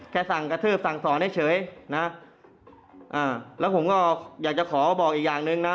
สั่งกระทืบสั่งสอนให้เฉยนะอ่าแล้วผมก็อยากจะขอบอกอีกอย่างหนึ่งนะ